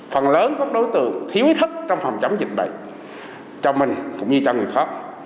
phần lớn có đối tượng thiếu thức trong phòng chống dịch bệnh cho mình cũng như cho người khác